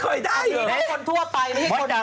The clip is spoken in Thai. ไปกันไม่อาจจะเคยได้